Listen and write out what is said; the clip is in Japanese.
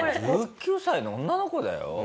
１９歳の女の子だよ？